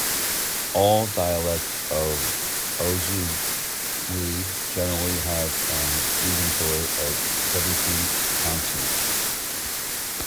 All dialects of Ojibwe generally have an inventory of seventeen consonants.